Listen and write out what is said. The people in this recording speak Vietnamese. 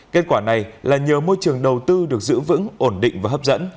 kết quả này là nhớ môi trường đầu tư được giữ vững ổn định